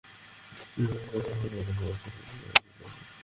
সহকর্মীদের তিনি আবিষ্কার করলেন এক অদ্ভুত ব্যাপার।